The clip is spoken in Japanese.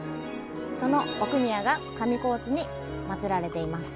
その奥宮が上高地に祀られています。